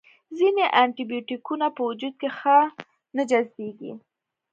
ځینې انټي بیوټیکونه په وجود کې ښه نه جذبیږي.